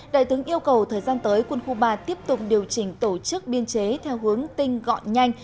đại tướng yêu cầu thời gian tới quân khu ba tiếp tục điều chỉnh tổ chức biên chế theo hướng tinh gọn nhanh